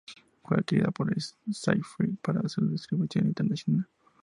Fue adquirida por Syfy para su distribución internacional.